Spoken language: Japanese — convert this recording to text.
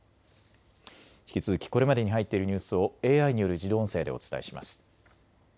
引き続きこれまでに入っているニュースをＡＩによる自動音声でお伝えします。